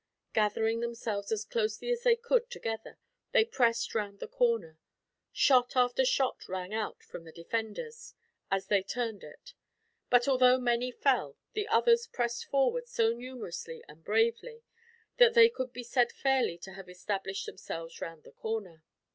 Gathering themselves as closely as they could together, they pressed round the corner. Shot after shot rang out from the defenders, as they turned it; but although many fell, the others pressed forward so numerously, and bravely, that they could be said fairly to have established themselves round the corner.